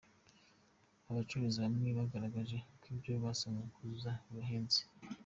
Abacuruzi bamwe bagaragaje ko ibyo basabwa kuzuza bibahenze.